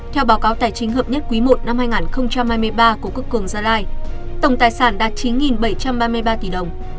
theo báo cáo tài chính hợp nhất quý i năm hai nghìn hai mươi ba của quốc cường gia lai tổng tài sản đạt chín bảy trăm ba mươi ba tỷ đồng